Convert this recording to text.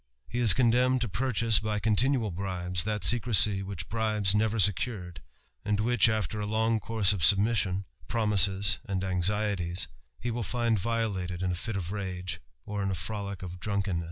He is condemned to pu( chase, by continual bribes, chat secrecy which bribes nev secured, and which, after a long course of submissJOB promises, and anxieties, he will find violated in a fit of n or in a frolick of drunkermess.